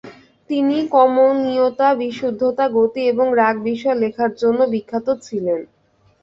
তিনি কমনীয়তা, বিশুদ্ধতা, গতি এবং রাগ বিষয়ে লেখার জন্য বিখ্যাত ছিলেন।